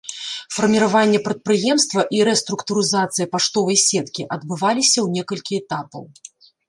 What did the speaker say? Фарміраванне прадпрыемства і рэструктурызацыя паштовай сеткі адбываліся ў некалькі этапаў.